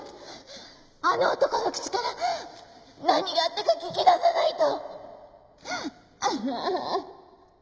あの男の口から何があったか聞き出さないと！